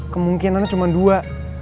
kemungkinan cuma dua